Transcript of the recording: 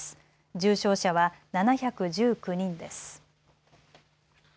重症者は７１９人です。